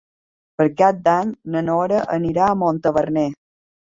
Per Cap d'Any na Nora anirà a Montaverner.